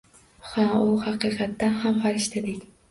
Ha, u haqiqatan ham farishtadek.